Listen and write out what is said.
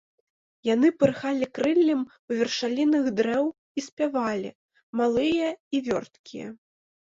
Яны пырхалі крыллем у вяршалінах дрэў і спявалі, малыя і вёрткія.